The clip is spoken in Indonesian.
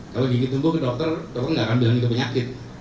kalau gigi tumbuh ke dokter dokter nggak akan bilang juga penyakit